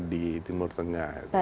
di timur tengah